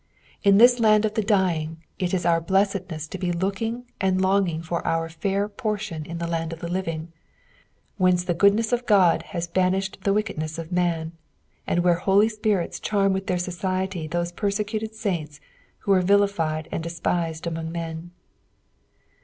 In this land of ,glc 6 KXPOSITION3 OF THE P3ALUS. the dying, ft is our bleuedness to be looking and longing for onr fair portion in the land of the liring, whence the goodness of Ood has banished the wickedness of man, and where holy spirits charm with their society tliose persecuted saints who were vilified and despised among men.